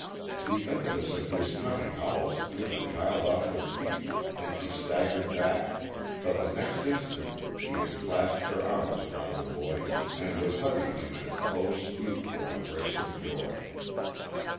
The impetus of his coming almost threw the child off her feet, and she staggered back, but the next instant she had clasped her arms around the boy, and was hugging him in a close, youthful embrace of joy.